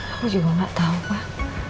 aku juga gak tahu pak